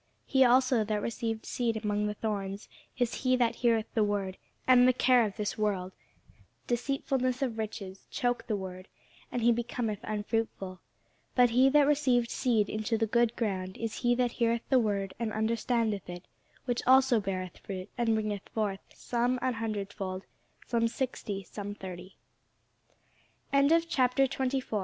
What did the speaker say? He also that received seed among the thorns is he that heareth the word; and the care of this world, and the deceitfulness of riches, choke the word, and he becometh unfruitful. But he that received seed into the good ground is he that heareth the word, and understandeth it; which also beareth fruit, and bringeth forth, some an hundredfold, some s